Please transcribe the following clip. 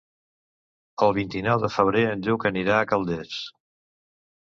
El vint-i-nou de febrer en Lluc anirà a Calders.